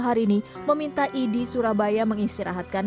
hari ini meminta idi surabaya mengistirahatkan